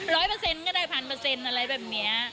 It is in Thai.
ร้อยเปอร์เซ็นต์ก็ได้พันเปอร์เซ็นต์อะไรแบบนี้